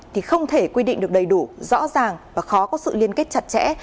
thì không thể quy định được đầy đủ rõ ràng và khó có sự liên kết chặt chẽ